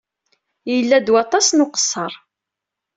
Yella-d waṭas n uqeṣṣer.